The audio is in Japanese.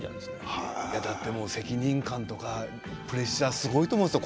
責任感とかプレッシャーすごいと思うんですよ